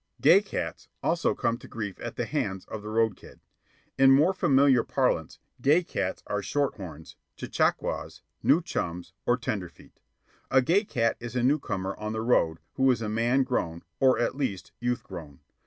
"Gay cats" also come to grief at the hands of the road kid. In more familiar parlance, gay cats are short horns, chechaquos, new chums, or tenderfeet. A gay cat is a newcomer on The Road who is man grown, or, at least, youth grown.